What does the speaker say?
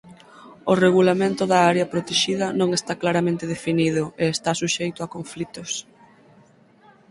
O regulamento da área protexida non está claramente definido e está suxeito a conflitos.